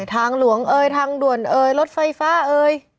ทางหลวงเอ่ยทางด่วนเอ่ยรถไฟฟ้าเอ่ย